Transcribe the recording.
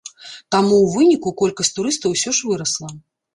Таму ў выніку колькасць турыстаў усё ж вырасла.